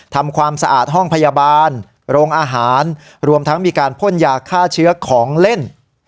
ทำความสะอาดห้องพยาบาลโรงอาหารรวมทั้งมีการพ่นยาฆ่าเชื้อของเล่น